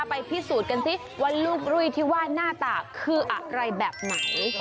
ไปพิสูจน์กันสิว่าลูกรุยที่ว่าหน้าตาคืออะไรแบบไหน